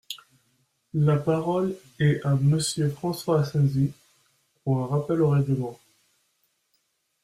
La parole est à Monsieur François Asensi, pour un rappel au règlement.